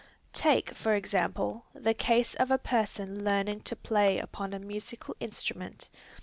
Take for example, the case of a person learning to play upon a musical instrument.